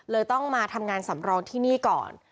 ต้องมาทำงานสำรองที่นี่ก่อน